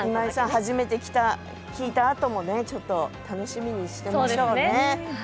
初めて聴いたあとも楽しみにしてましょうね。